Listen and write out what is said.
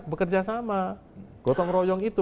bekerjasama gotong royong itu